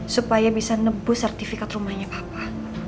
supaya bisa nebus sertifikat rumahnya papa